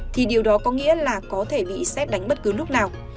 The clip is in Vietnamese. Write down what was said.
thì điều đó có nghĩa là có thể bị xét đánh bất cứ lúc nào